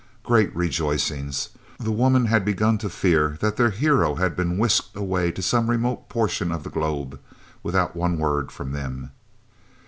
Great rejoicings! The women had begun to fear that their hero had been whisked away to some remote portion of the globe, without one word from them.